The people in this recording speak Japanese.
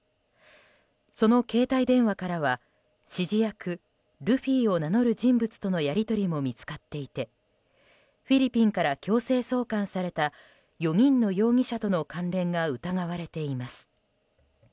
その携帯電話からは指示役ルフィを名乗る人物とのやり取りも見つかっていてフィリピンから強制送還された４人の容疑者との関連が疑われています。